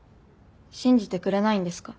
信じてくれないんですか？